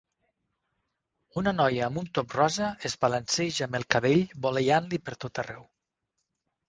una noia amb un top rosa es balanceja amb el cabell voleiant-li per tot arreu